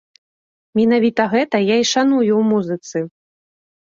Менавіта гэта я і шаную ў музыцы.